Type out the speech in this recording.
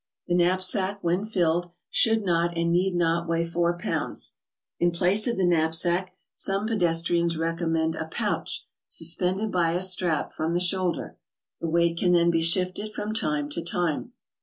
The knapsack, when filled, should not and need not weigh four pounds. In place of the knapsack, some pedes trians recommend a pouch suspended by a strap from the HOW TO TRAVEL ABROAD, 8S shoulder; the weight can then be shifted from time to time.